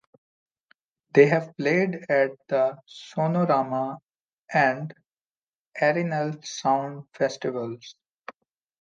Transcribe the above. They have played at the Sonorama and Arenal Sound festivals.